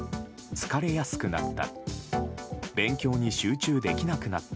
疲れやすくなった。